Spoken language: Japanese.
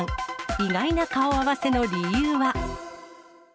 意外な顔合わせの理由は？